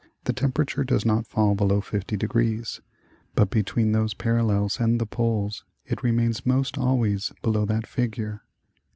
the temperature does not fall below 50°, but between those parallels and the poles it remains most always below that figure.